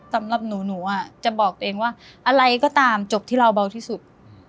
สำหรับหนูหนูจะบอกตัวเองว่าอะไรก็ตามจบที่เราเบาที่สุด